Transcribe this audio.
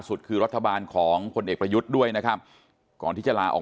คือรัฐบาลของพลเอกประยุทธ์ด้วยนะครับก่อนที่จะลาออก